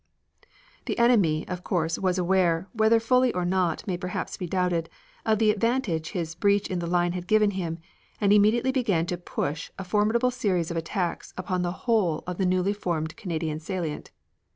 The enemy, of course, was aware whether fully or not may perhaps be doubted of the advantage his breach in the line had given him, and immediately began to push a formidable series of attacks upon the whole of the newly formed Canadian salient.